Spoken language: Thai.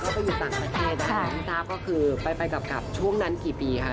พี่สาธารณ์ก็คือไปกับช่วงนั้นกี่ปีค่ะ